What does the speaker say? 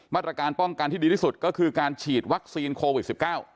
มาตรการป้องกันที่ดีที่สุดก็คือการฉีดวัคซีนโควิด๑๙